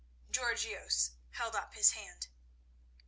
Georgios held up his hand.